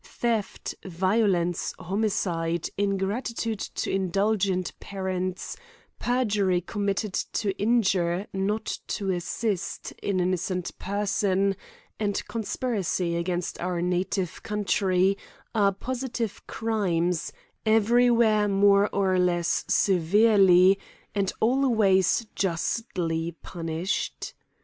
Theft, violence, homicide, ingratitude to indulgent par ents, perjury committed to injure, not to assist, an innocent person, and conspiracy against our native country, are positive crimes, every where more or less severely, and always justly punished.